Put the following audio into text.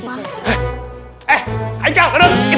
ya takep takep awas awas